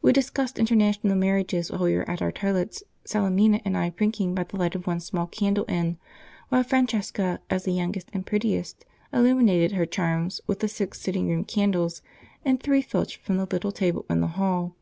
We discussed international marriages while we were at our toilets, Salemina and I prinking by the light of one small candle end, while Francesca, as the youngest and prettiest, illuminated her charms with the six sitting room candles and three filched from the little table in the hall.